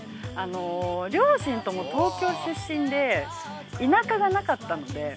両親とも東京出身で田舎がなかったんで。